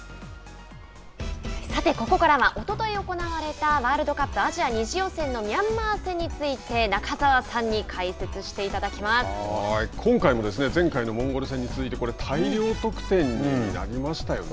さてここからはおととい行われたワールドカップアジア２次予選のミャンマー戦について中澤さんに今回も、前回のモンゴル戦に続いてこれ大量得点になりましたよね。